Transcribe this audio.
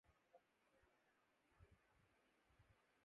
سفارت خانے پر قبضے نے اسے بری طرح متاثر کیا تھا